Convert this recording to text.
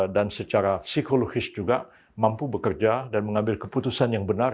dan secara psikologis juga mampu bekerja dan mengambil keputusan yang benar